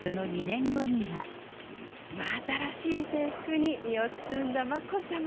真新しい制服に身を包んだ眞子さま。